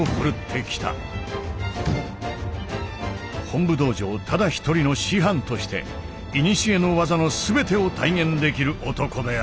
本部道場ただ一人の師範として古の技の全てを体現できる男である。